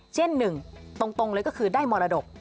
เช่นหนึ่งตรงเลยก็คือได้มรดก